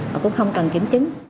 họ cũng không cần kiểm chứng